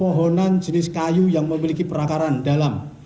pemohonan jenis kayu yang memiliki perakaran dalam